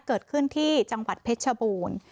เกิดขึ้นที่จังหวัดเพชรชบูรณ์